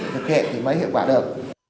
thực hiện thì mới hiệu quả được